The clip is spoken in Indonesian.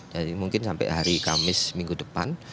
jadi mungkin sampai hari kamis minggu depan